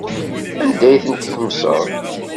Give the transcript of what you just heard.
Anda ay tent-tkemseḍ?